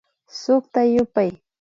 Sukta yupay